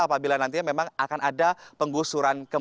apabila nantinya memang akan ada penggusuran